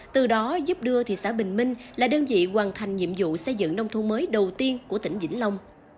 từ đó giúp đưa thị xã bình minh là đơn vị hoàn thành nhiệm vụ xây dựng nông thôn mới đầu tiên của tỉnh vĩnh long